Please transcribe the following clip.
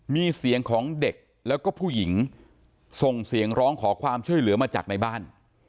มีเสียงของเด็กแล้วก็ผู้หญิงส่งเสียงร้องขอความช่วยเหลือมาจากในบ้าน